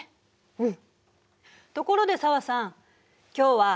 うん。